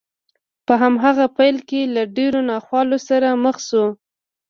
په هماغه پيل کې له ډېرو ناخوالو سره مخ شو.